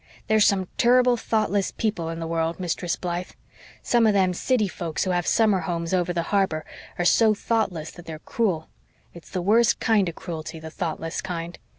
There's some turrible thoughtless people in the world, Mistress Blythe. Some of them city folks who have summer homes over the harbor are so thoughtless that they're cruel. It's the worst kind of cruelty the thoughtless kind.